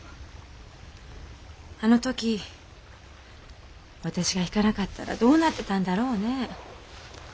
あの時私が引かなかったらどうなってたんだろうねえ。